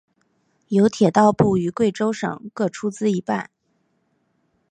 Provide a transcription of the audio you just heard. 由铁道部与贵州省各出资一半。